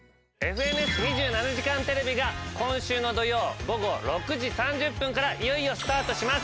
「ＦＮＳ２７時間テレビ」が今週の土曜午後６時３０分からいよいよスタートします。